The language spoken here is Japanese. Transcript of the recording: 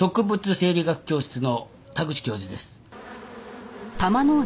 生理学教室の田口教授です。